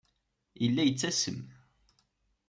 Yella yettasem.